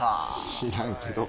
知らんけど。